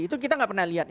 itu kita tidak pernah lihat